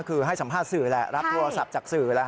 คือให้สัมภาษณ์สื่อแหละรับโทรศัพท์จากสื่อแล้ว